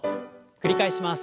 繰り返します。